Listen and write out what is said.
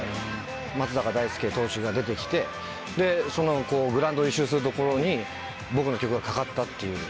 松坂大輔投手が出て来てグラウンド１周するところに僕の曲がかかったっていう。